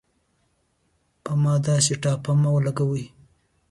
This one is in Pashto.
په ما داهسې ټاپه مه لګوۍ